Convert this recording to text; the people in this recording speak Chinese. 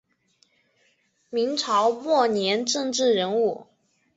明朝末年政治人物。